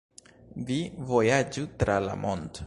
Vi vojaĝu tra la mond'